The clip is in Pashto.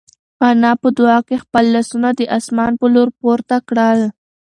انا په دعا کې خپل لاسونه د اسمان په لور پورته کړل.